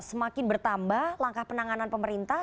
semakin bertambah langkah penanganan pemerintah